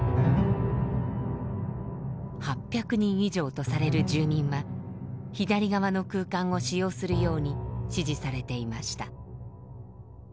８００人以上とされる住民は左側の空間を使用するように指示されていました。